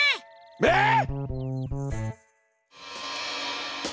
えっ！？